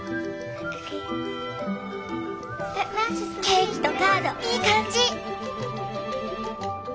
ケーキとカードいい感じ！